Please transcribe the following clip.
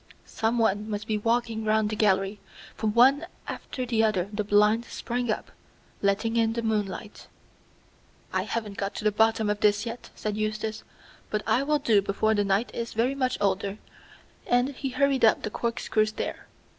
Someone must be walking round the gallery, for one after the other the blinds sprang up, letting in the moonlight. "I haven't got to the bottom of this yet," said Eustace, "but I will do before the night is very much older," and he hurried up the corkscrew stair.